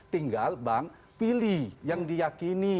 tinggal bang pilih yang diyakini